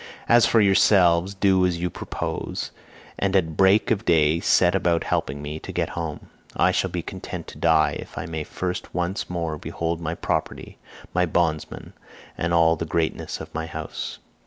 As for yourselves, do as you propose, and at break of day set about helping me to get home. I shall be content to die if I may first once more behold my property, my bondsmen, and all the greatness of my house."